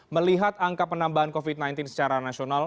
melihat angka penambahan covid sembilan belas secara nasional